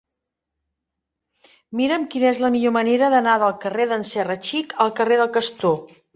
Mira'm quina és la millor manera d'anar del carrer d'en Serra Xic al carrer del Castor.